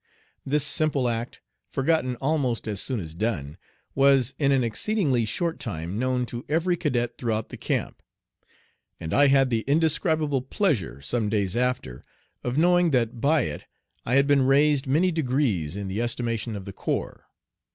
This simple act, forgotten almost as soon as done, was in an exceedingly short time known to every cadet throughout the camp, and I had the indescribable pleasure, some days after, of knowing that by it I had been raised many degrees in the estimation of the corps.